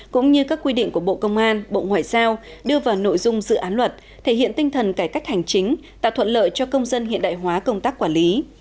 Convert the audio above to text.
cũng như các quy định của bộ công an bộ ngoại giao đưa vào nội dung dự án luật thể hiện tinh thần cải cách hành chính tạo thuận lợi cho công dân hiện đại hóa công tác quản lý